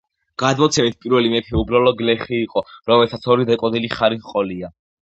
გადმოცემით, პირველი მეფე უბრალო გლეხი იყო, რომელსაც ორი დაკოდილი ხარი ჰყოლია.